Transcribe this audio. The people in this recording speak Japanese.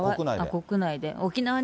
国内で？